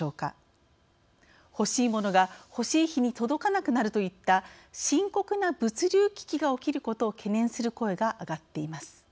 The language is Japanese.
欲しいモノが欲しい日に届かなくなるといった深刻な物流危機が起きることを懸念する声が上がっています。